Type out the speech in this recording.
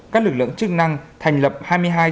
các lực lượng chức năng thành lập hai mươi hai trường hợp